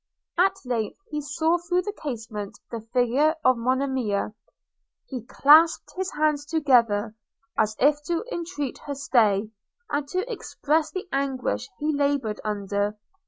At length he saw through the casement the figure of Monimia. He clasped his hands together, as if to entreat her stay, and to express the anguish he laboured under.